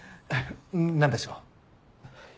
何でしょう？